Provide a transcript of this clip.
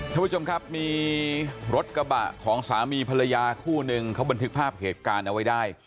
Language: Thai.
ท่านผู้ชมครับมีรถกระบะของสามีภรรยาคู่หนึ่งเขาบันทึกภาพเหตุการณ์เอาไว้ได้